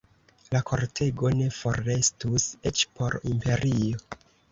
La kortego ne forrestus, eĉ por imperio.